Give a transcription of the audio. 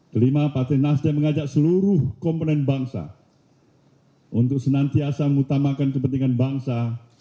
kelima partai nasdem mengajak seluruh komponen bangsa untuk senantiasa mengutamakan kepentingan bangsa